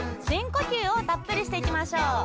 しんこきゅうをたっぷりしていきましょう。